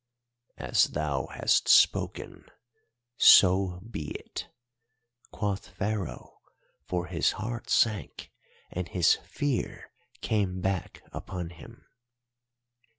"'As thou hast spoken, so be it,' quoth Pharaoh, for his heart sank, and his fear came back upon him.